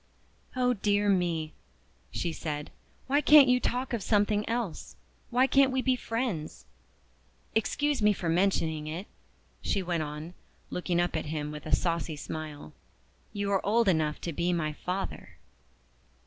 "Oh dear me!" she said, "why can't you talk of something else? Why can't we be friends? Excuse me for mentioning it," she went on, looking up at him with a saucy smile, "you are old enough to be my father."